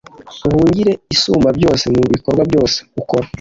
Uhigure Isumbabyose mu bikorwa byose ukora